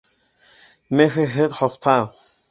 Мене не остав!